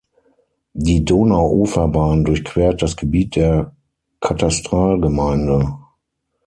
Die Donauuferbahn durchquert das Gebiet der Katastralgemeinde.